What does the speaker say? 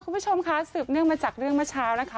คุณผู้ชมค่ะสืบเนื่องมาจากเรื่องเมื่อเช้านะคะ